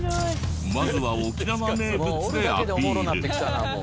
まずは沖縄名物でアピール。